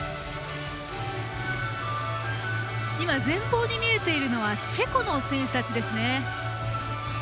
前方に見えているのはチェコの選手たちですね。